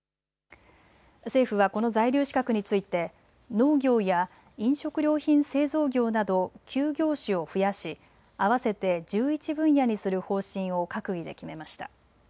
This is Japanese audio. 政府はこの在留資格について農業や飲食料品製造業など９業種を増やし合わせて１１分野にする方針を閣議で決めました。